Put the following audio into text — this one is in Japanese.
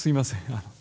あの。